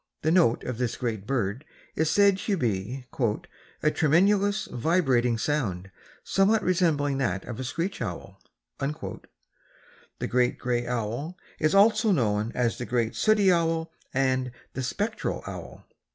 The note of this great bird is said to be "a tremulous, vibrating sound, somewhat resembling that of the screech owl." The Great Gray Owl is also known as the Great Sooty Owl and the Spectral Owl.